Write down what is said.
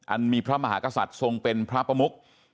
มีพระมหากษัตริย์ทรงเป็นพระประมุก